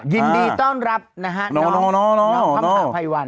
ยินดีต้อนรับนะอีเนาะ